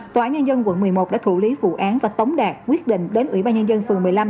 tòa án nhân dân quận một mươi một đã thủ lý vụ án và tống đạt quyết định đến ủy ban nhân dân phường một mươi năm